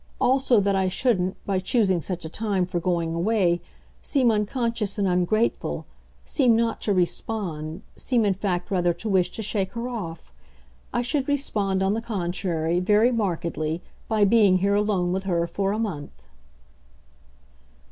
Also that I shouldn't, by choosing such a time for going away, seem unconscious and ungrateful, seem not to respond, seem in fact rather to wish to shake her off. I should respond, on the contrary, very markedly by being here alone with her for a month."